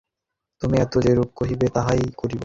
এখন তুমি যেরূপ কহিবে তাহাই করিব।